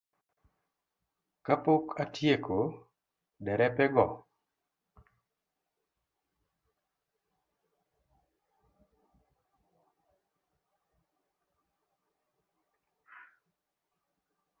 Kapok atieko, derepego